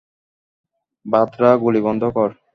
বাতরা, গুলি বন্ধ কর!